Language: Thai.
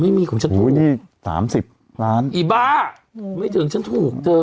ไม่มีของฉันปีนี่๓๐ล้านอีบ้าไม่ถึงฉันถูกเจอ